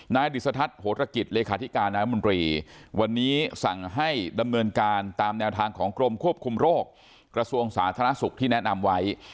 ดิสทัศน์โหรกิจเลขาธิการนายมนตรีวันนี้สั่งให้ดำเนินการตามแนวทางของกรมควบคุมโรคกระทรวงสาธารณสุขที่แนะนำไว้